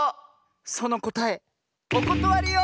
そのこたえおことわりよ！